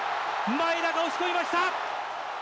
前田が押し込みました。